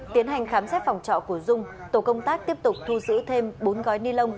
tiến hành khám xét phòng trọ của dung tổ công tác tiếp tục thu giữ thêm bốn gói ni lông